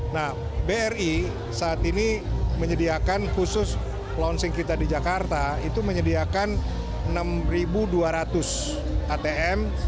nah bri saat ini menyediakan khusus launching kita di jakarta itu menyediakan enam dua ratus atm